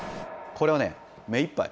これはね目いっぱい。